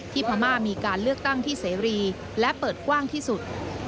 พม่ามีการเลือกตั้งที่เสรีและเปิดกว้างที่สุด